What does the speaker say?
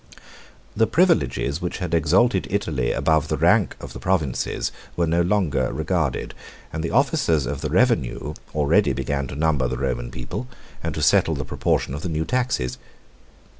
21 The privileges which had exalted Italy above the rank of the provinces were no longer regarded: 211 and the officers of the revenue already began to number the Roman people, and to settle the proportion of the new taxes.